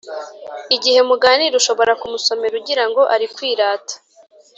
Igihe muganira Ushobora kumusomera ugira ngo ari kwirata